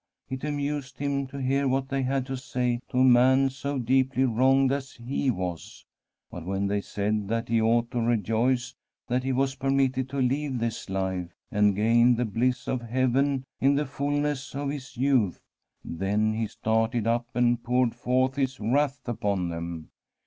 It amused him to hear what they had to say to a man so deeply wronged as he was, but when they said that he ought to rejoice that he was permitted to leave this life and gain the bliss of heaven in the fulness of his youth, then he started up and poured forth his wrath upon them.